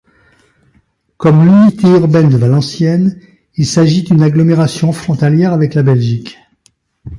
Comme l'unité urbaine de Valenciennes, il s'agit d'une agglomération frontalière avec la Belgique.